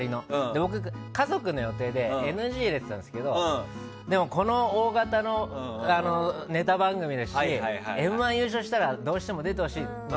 僕、家族の予定でＮＧ入れてたんですけどでも、大型のネタ番組だし「Ｍ‐１」優勝したらどうしても出てほしいと。